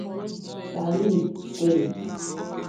Talib Kweli.